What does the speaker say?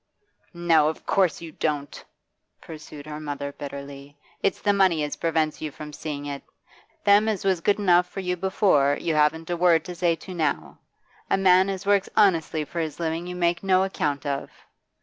'No, of course you don't,' pursued her mother bitterly. 'It's the money as prevents you from seeing it. Them as was good enough for you before you haven't a word to say to now; a man as works honestly for his living you make no account of.